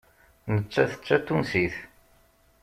Nettat d Tatunsit.